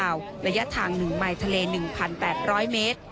น้ำเท้าเปล่าระยะทาง๑มายทะเล๑๘๐๐เมตร